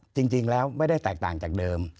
จริงแล้วไม่ได้แตกต่างจากเดิม